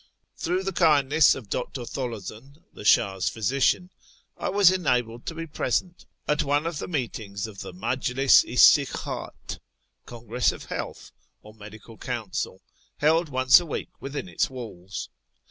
Through the kindness of Dr. Tholozan, the Shah's physician, I was enabled to be present at one of the meetings of the Majlis i Sihhat (" Congress of Health," or Medical Council), held once a week within its walls.